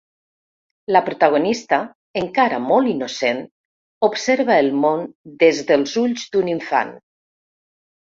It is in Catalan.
La protagonista, encara molt innocent, observa el món des dels ulls d’un infant.